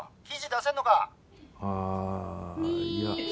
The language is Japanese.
記事出せんのか？